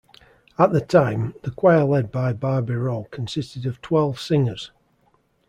At that time, the choir led by Barbireau consisted of twelve singers.